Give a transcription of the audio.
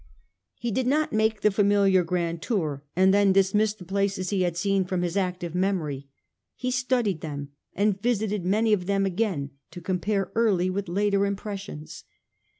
He did not make the familiar grand tour and then dismiss the places he had seen from his active memory. He studied them and visited many of them again to compare early with later impres sions.